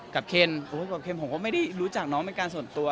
เคนกับเคนผมก็ไม่ได้รู้จักน้องเป็นการส่วนตัว